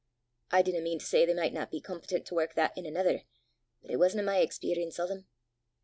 I dinna mean to say they michtna be competent to wark that in anither, but it wasna my experrience o' them.